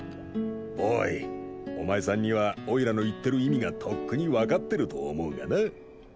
ボーイお前さんにはおいらの言ってる意味がとっくに分かってると思うがな？